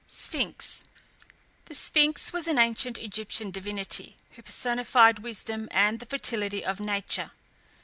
SPHINX. The Sphinx was an ancient Egyptian divinity, who personified wisdom, and the fertility of nature.